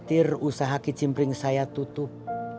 khawatir usaha kicimpring saya tutup